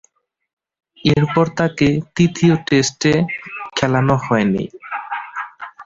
এরপর তাকে তৃতীয় টেস্টে খেলানো হয়নি।